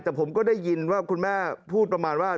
แต่ผมก็ได้ยินว่าคุณแม่พูดประมาณว่า